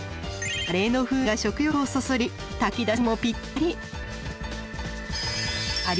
カレーの風味が食欲をそそり炊き出しにもぴったり。